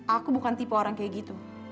aku bukan tipe orang kayak gitu